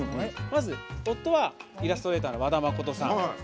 まず、夫はイラストレーターの和田誠さん。